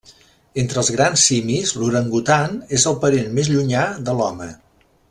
Entre els grans simis l'orangutan és el parent més llunyà de l'home.